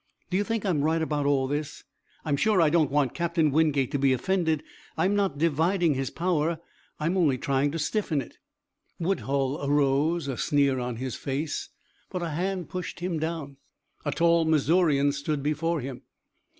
"Do you think I'm right about all this? I'm sure I don't want Captain Wingate to be offended. I'm not dividing his power. I'm only trying to stiffen it." Woodhull arose, a sneer on his face, but a hand pushed him down. A tall Missourian stood before him.